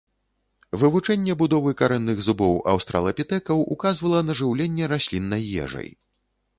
Вывучэнне будовы карэнных зубоў аўстралапітэкаў указвала на жыўленне расліннай ежай.